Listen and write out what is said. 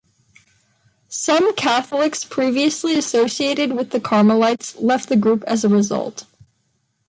Some Catholics previously associated with the Carmelites left the group as a result.